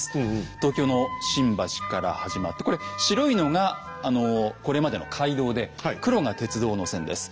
東京の新橋から始まってこれ白いのがこれまでの街道で黒が鉄道の線です。